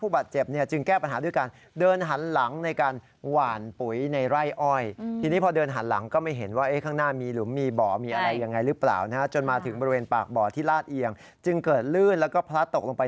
บ่อที่ลาดเอียงจึงเกิดลื่นแล้วก็พลัดตกลงไป